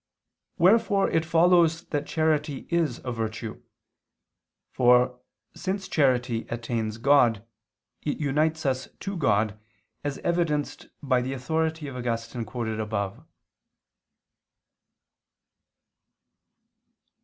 Wherefore, it follows that charity is a virtue, for, since charity attains God, it unites us to God, as evidenced by the authority of Augustine quoted above.